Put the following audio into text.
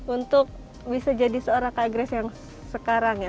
untuk bisa jadi seorang kak grace yang sekarang ya